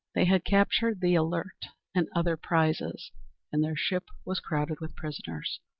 They had captured the Alert and other prizes, and their ship was crowded with prisoners.